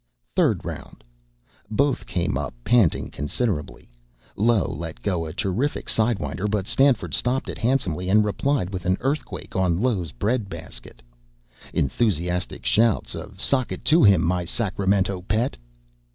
Third Round. Both came up panting considerably. Low let go a terrific side winder, but Stanford stopped it handsomely and replied with an earthquake on Low's bread basket. (Enthusiastic shouts of "Sock it to him, my Sacramento Pet!")